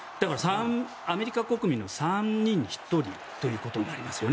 アメリカ国民の３人に１人ということになりますよね。